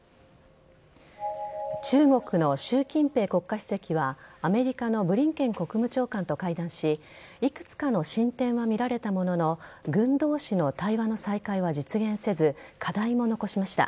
中国の習近平国家主席は、アメリカのブリンケン国務長官と会談し、いくつかの進展は見られたものの、軍どうしの対話の再開は実現せず、課題も残しました。